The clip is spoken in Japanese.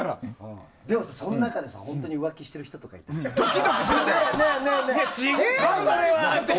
でも、その中でさ本当に浮気してる人いたりして。